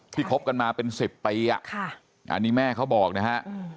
คบกันมาเป็น๑๐ปีอันนี้แม่เขาบอกนะฮะ